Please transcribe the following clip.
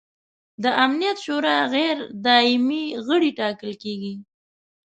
د امنیت شورا غیر دایمي غړي ټاکل کیږي.